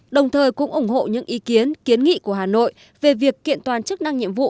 đồng thời cũng ủng hộ những ý kiến kiến nghị của hà nội về việc kiện toàn chức năng nhiệm vụ